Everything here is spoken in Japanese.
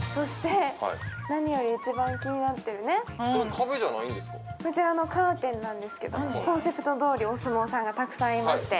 何より一番気になっているこちらのカーテンなんですけど、コンセプトどおりお相撲さんがたくさんいまして。